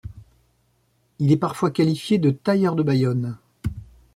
Il est parfois qualifié de tailleur de Bayonne.